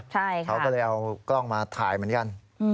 เขาก็เลยเอากล้องมาถ่ายเหมือนกัน